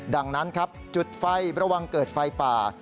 ดังนั้นครับจุดไฟระวังเกิดไฟป่า